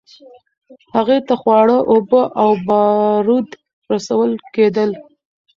هغې ته خواړه، اوبه او بارود رسول کېدل.